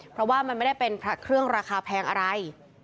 เพราะว่ามันไม่ได้เป็นพระเครื่องราคาแพงอะไร